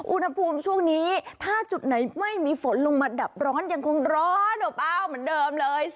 อุณหภูมิช่วงนี้ถ้าจุดไหนไม่มีฝนลงมาดับร้อนยังคงร้อนอบอ้าวเหมือนเดิมเลย